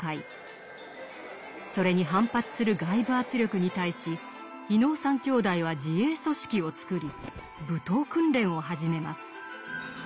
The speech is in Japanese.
それに反発する外部圧力に対し伊能三兄弟は自衛組織を作り武闘訓練を始めます。